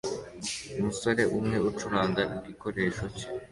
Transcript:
Umusore umwe ucuranga igikoresho cye